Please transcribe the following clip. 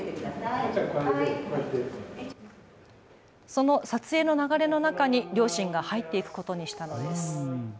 その撮影の流れの中に両親が入っていくことにしたのです。